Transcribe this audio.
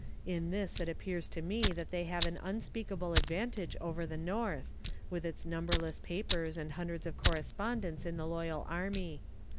In this it appears to me that they have an unspeakable advantage over the North, with its numberless papers and hundreds of correspondents in the loyal army.